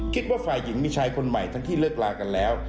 คิดว่าฝ่ายหญิงมีชายคนใหม่ทั้งที่เลิกลากันแล้ว